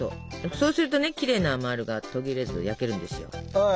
そうするとねきれいなまるが途切れず焼けるんですよ。